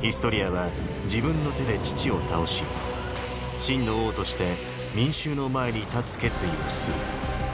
ヒストリアは自分の手で父を倒し真の王として民衆の前に立つ決意をする。